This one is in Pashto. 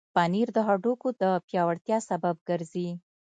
پنېر د هډوکو د پیاوړتیا سبب ګرځي.